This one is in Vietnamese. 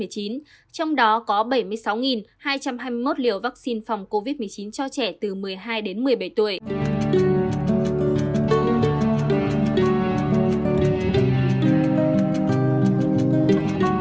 trong đó có bảy mươi sáu hai trăm hai mươi một liều vaccine phòng covid một mươi chín cho trẻ từ một mươi hai đến một mươi bảy tuổi